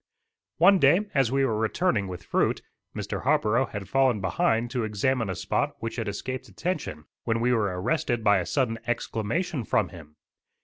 One day as we were returning with fruit, Mr. Harborough had fallen behind to examine a spot which had escaped attention, when we were arrested by a sudden exclamation from him.